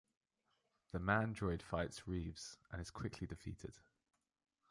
The Mandroid fights Reeves and is quickly defeated.